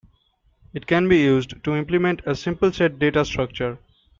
It can be used to implement a simple set data structure.